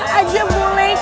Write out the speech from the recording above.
mereka aja boleh